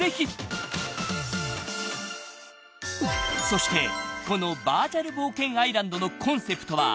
［そしてこのバーチャル冒険アイランドのコンセプトは］